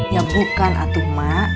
ya bukan atu ma